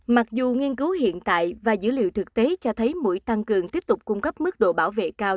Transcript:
mặc dù nghiên cứu hiện tại và dữ liệu thực tế cho thấy mũi tăng cường tiếp tục cung cấp mức độ bảo vệ cao